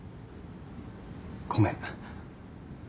ごめん。